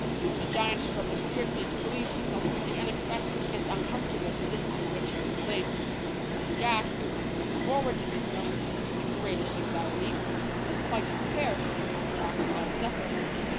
The giant struggled fiercely to release himself from the unexpected and uncomfortable position in which he was placed ; but Jack, who had looked forward to this moment with the greatest anxiety, was quite prepared to counteract all his efforts.